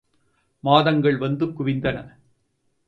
மாதங்கள் வந்து குவிந்தன.